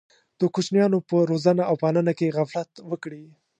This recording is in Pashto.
د کوچنیانو په روزنه او پالنه کې غفلت وکړي.